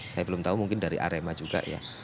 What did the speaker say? saya belum tahu mungkin dari arema juga ya